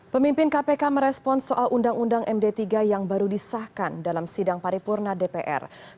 pemimpin kpk merespon soal undang undang md tiga yang baru disahkan dalam sidang paripurna dpr